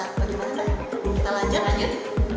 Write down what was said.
bagaimana kita lanjutkan ya